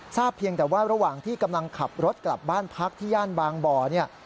เพียงแต่ว่าระหว่างที่กำลังขับรถกลับบ้านพักที่ย่านบางบ่อเนี่ย